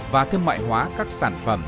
và thêm mại hóa các sản phẩm